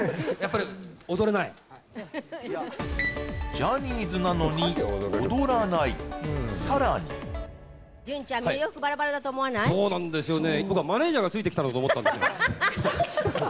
はいジャニーズなのに踊らないさらに順ちゃんそうなんですよね